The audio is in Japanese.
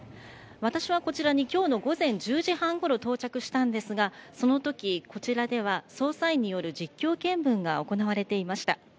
私はこちらにきょうの午前１０時半ごろ到着したんですが、そのとき、こちらでは、捜査員による実況見分が行われていました。